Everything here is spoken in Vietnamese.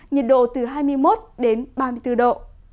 nhiệt độ từ hai mươi một đến ba mươi bốn độ